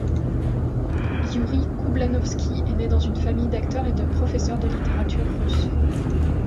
Iouri Koublanovski est né dans une famille d'acteurs et de professeurs de littérature russe.